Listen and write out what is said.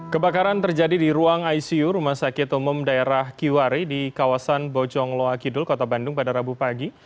kebakaran terjadi di ruang icu rumah sakit umum daerah kiwari di kawasan bojong loakidul kota bandung pada rabu pagi